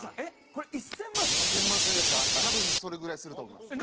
多分それぐらいすると思います。